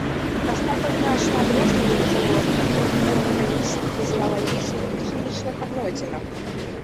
Прастата значна адрозніваецца ў розных відаў у анатамічных, фізіялагічных і хімічных адносінах.